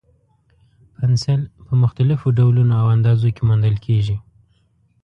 پنسل په مختلفو ډولونو او اندازو کې موندل کېږي.